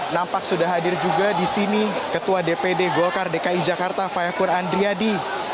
nampak sudah hadir juga di sini ketua dpd golkar dki jakarta fayakur andriadi